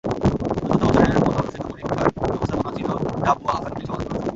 চতুর্থ বছরের মতো অনুষ্ঠিত পরীক্ষার ব্যবস্থাপনায় ছিল ডাবুয়া হাছানখীল সমাজকল্যাণ সমিতি।